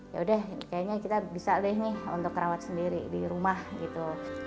yaudah kayaknya kita bisa deh nih untuk kerawat sendiri di rumah gitu